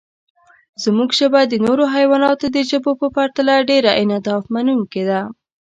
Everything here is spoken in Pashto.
زموږ ژبه د نورو حیواناتو د ژبو په پرتله ډېر انعطافمنونکې ده.